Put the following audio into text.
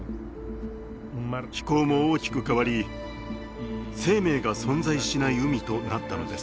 気候も大きく変わり生命が存在しない海となったのです。